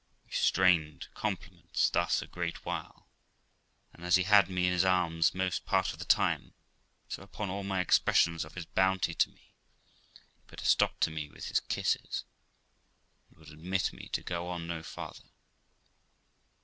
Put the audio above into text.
We strained compliments thus a great while, and, as he had me in his arms most part of the time, so upon all my expressions of his bounty to me he put a stop to me with his kisses, and would admit me to go on no farther.